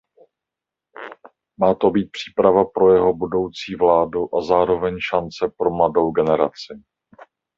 Má to být příprava pro jeho budoucí vládu a zároveň šance pro mladou generaci.